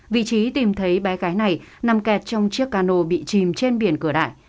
vị trí tìm thấy bé gái này nằm kẹt trong chiếc cano bị chìm trên biển cửa đại